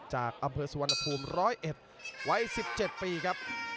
จากอำเภอสุวรรณภูมิ๑๐๑วัย๑๗ปีครับ